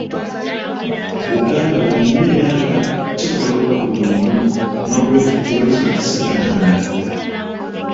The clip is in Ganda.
Buganda wonna era nga kikolebwa buli omu, n'olwekyo tewali kye baakisangananga.